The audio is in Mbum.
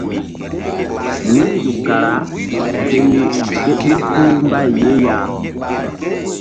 Mun nzuk kara se ni ké ɓil puh mbay ye ya.